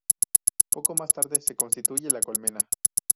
Poco más tarde, se constituye "La Colmena".